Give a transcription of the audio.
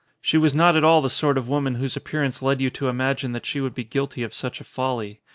She was not at all the sort of woman whose appearance led you to imagine that she would be guilty of such a folly.